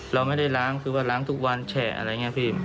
เราไม่ได้ล้างคือว่าล้างทุกวันแฉะอะไรอย่างนี้พี่